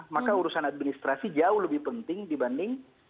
maka urusan administrasi jauh lebih penting dibanding